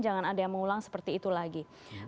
jangan ada yang mengulang seperti itu lagi